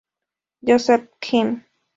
Joseph Kim.